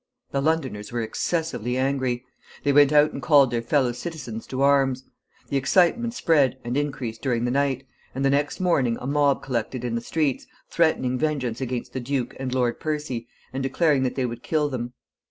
The Londoners were excessively angry. They went out and called their fellow citizens to arms. The excitement spread and increased during the night, and the next morning a mob collected in the streets, threatening vengeance against the duke and Lord Percy, and declaring that they would kill them.